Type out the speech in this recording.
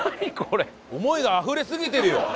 思いがあふれすぎてるよ！